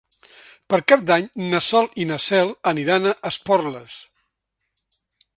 Per Cap d'Any na Sol i na Cel aniran a Esporles.